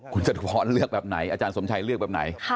คุณจตุพรเลือกแบบไหนอาจารย์สมชัยเลือกแบบไหน